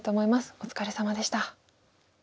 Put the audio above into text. お疲れさまでした。